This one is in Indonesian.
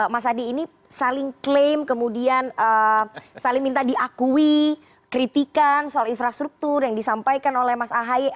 mas adi ini saling klaim kemudian saling minta diakui kritikan soal infrastruktur yang disampaikan oleh mas ahy